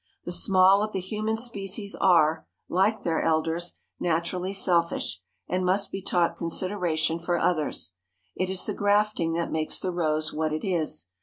The small of the human species are, like their elders, naturally selfish, and must be taught consideration for others. It is the grafting that makes the rose what it is.